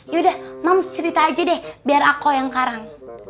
yaudah mam cerita aja deh biar aku yang karang